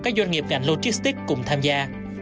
các doanh nghiệp ngành logistic cùng tham gia